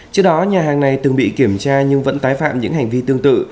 trước đó nhà hàng này từng bị kiểm tra nhưng vẫn tái phạm những hành vi tương tự